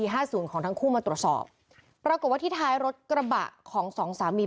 ห้าศูนย์ของทั้งคู่มาตรวจสอบปรากฏว่าที่ท้ายรถกระบะของสองสามี